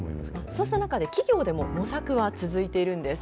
そうした中で、企業でも模索は続いているんです。